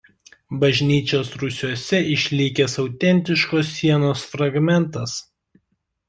Bažnyčios rūsiuose išlikęs autentiškos sienos fragmentas.